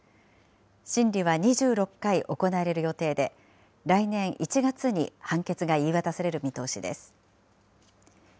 審理は２６回行われる予定で、来年１月に判決が言い渡される見通しです。